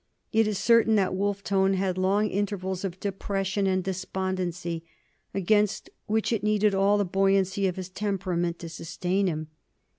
It is certain that Wolfe Tone had long intervals of depression and despondency, against which it needed all the buoyancy of his temperament to sustain him.